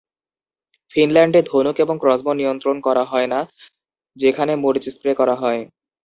ফিনল্যান্ডে ধনুক এবং ক্রসবো নিয়ন্ত্রণ করা হয় না, যেখানে মরিচ স্প্রে করা হয়।